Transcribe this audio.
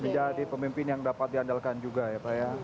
menjadi pemimpin yang dapat diandalkan juga ya pak ya